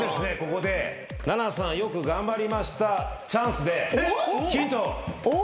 ここで菜那さんよく頑張りましたチャンスで。